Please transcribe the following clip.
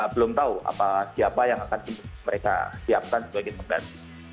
belum tahu siapa yang akan mereka siapkan sebagai pengganti